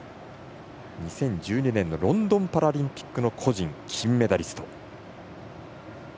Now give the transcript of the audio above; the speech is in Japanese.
２０１２年のロンドンパラリンピックの個人金メダリスト。